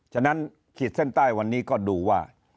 ฉะนั้นขีดเส้นใต้วันนี้ก็ดูว่า